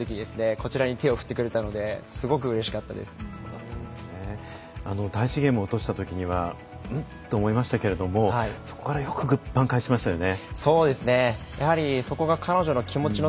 こちらに手を振ってくれたので第１ゲームを落としたときにはん？と思いましたけれどもそこからよく挽回しましたよね。